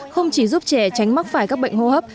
không chỉ giúp trẻ tránh mắc phải các bệnh hô hấp